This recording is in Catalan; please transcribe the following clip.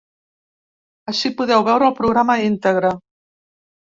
Ací podeu veure el programa íntegre.